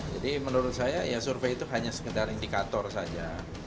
menurut saya ya survei itu hanya sekedar indikator saja